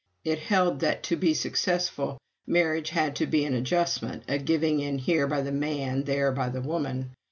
It held that, to be successful, marriage had to be an adjustment a giving in here by the man, there by the woman.